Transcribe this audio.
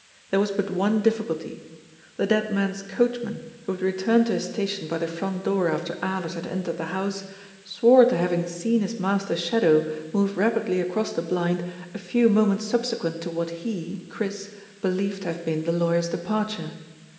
There was but one difficulty. The dead man's coachman, who had returned to his station by the front door after Alers had entered the house, swore to hav ing seen his master's shadow move rapidly across the blind a few moments subsequent to what he — Chris — believed to have been the lawyer's departure.